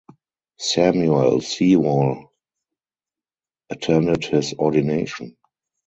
Samuel Sewall attended his ordination.